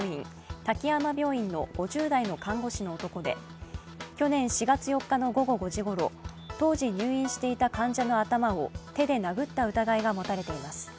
滝山病院の５０代の看護師の男で去年４月４日の午後５時ごろ当時入院していた患者の頭を手で殴った疑いが持たれています。